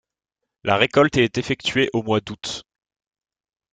La récolte est effectuée au mois d'août.